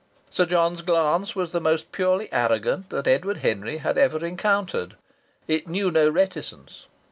Sir John's glance was the most purely arrogant that Edward Henry had ever encountered. It knew no reticence.